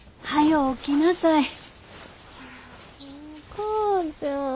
はい。